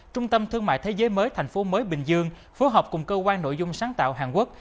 trung tâm thương mại thế giới mới thành phố mới bình dương phối hợp cùng cơ quan nội dung sáng tạo hàn quốc